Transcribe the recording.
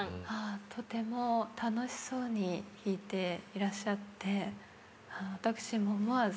とても楽しそうに弾いていらっしゃって私も思わず。